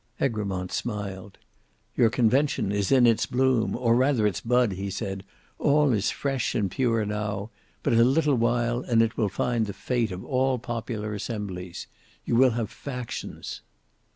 Egremont smiled. "Your Convention is in its bloom, or rather its bud," he said; "all is fresh and pure now; but a little while and it will find the fate of all popular assemblies. You will have factions."